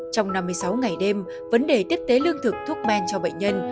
trong năm mươi sáu ngày đêm vấn đề tiếp tế lương thực thuốc men cho bệnh nhân